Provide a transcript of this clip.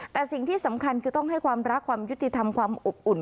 แต่สิ่งที่สำคัญคือต้องให้ความรักความยุติธรรมความอบอุ่น